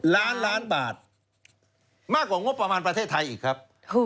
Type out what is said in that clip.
ล้านล้านบาทมากกว่างบประมาณประเทศไทยอีกครับ